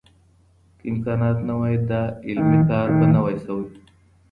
که امکانات نه وای، دا علمي کار به نه و سوی.